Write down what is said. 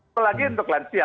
apalagi untuk lansia